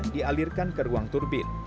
dialirkan ke ruang turbin